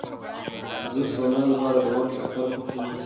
زه د سونا لپاره د وخت ټاکل خوښوم.